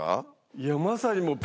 いやまさに。